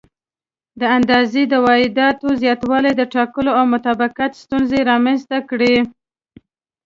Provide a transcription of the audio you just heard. د اندازې د واحداتو زیاتوالي د ټاکلو او مطابقت ستونزې رامنځته کړې.